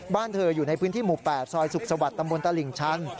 บ้านเธออยู่ในพื้นที่หมู่๘ซอยสุขสวรรค์ตำบลตลิ่งชัน